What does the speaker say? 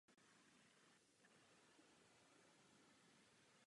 Zemřel v nemocnici Milosrdných bratří na pražském Starém Městě.